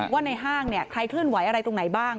ว่าในห้างใครเคลื่อนไหวอะไรตรงไหนบ้าง